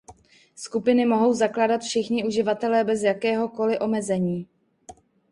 Skupiny mohou zakládat všichni uživatelé bez jakéhokoli omezení.